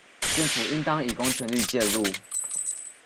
政府應當以公權力介入